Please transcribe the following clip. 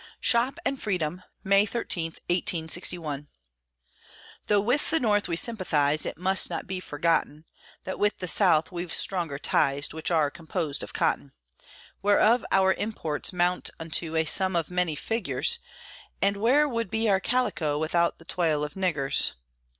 SHOP AND FREEDOM [May 13, 1861] Though with the North we sympathize, It must not be forgotten That with the South we've stronger ties, Which are composed of cotton, Whereof our imports 'mount unto A sum of many figures; And where would be our calico, Without the toil of niggers?